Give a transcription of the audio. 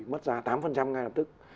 mất giá tám ngay lập tức